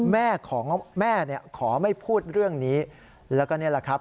แม่ของแม่เนี่ยขอไม่พูดเรื่องนี้แล้วก็นี่แหละครับ